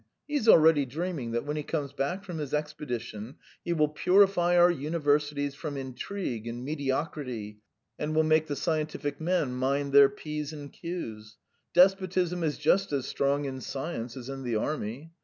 He is already dreaming that when he comes back from his expedition he will purify our universities from intrigue and mediocrity, and will make the scientific men mind their p's and q's. Despotism is just as strong in science as in the army.